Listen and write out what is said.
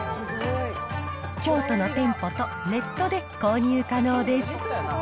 京都の店舗とネットで購入可能です。